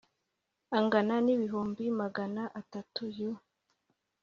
angana n ibihumbi magana atatu y u